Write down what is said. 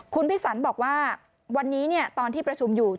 คุณพิสันบอกว่าวันนี้ตอนที่ประชุมอยู่